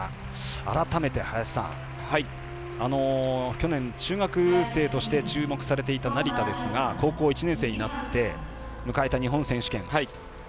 改めて去年中学生として注目されていた成田ですが高校１年生になって迎えた日本選手権。